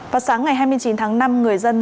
vào sáng ngày hai mươi chín tháng năm người dân